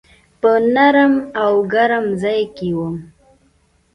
په نرم او ګرم ځای کي وم .